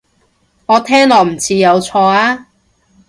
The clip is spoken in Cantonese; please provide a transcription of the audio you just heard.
我聽落唔似有錯啊